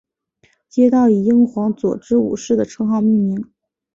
街道以英皇佐治五世的称号命名。